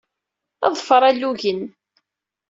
Ḍfer alugen!